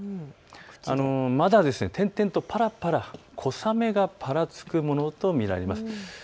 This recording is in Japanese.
まだ点々とぱらぱら小雨がぱらつくものと見られます。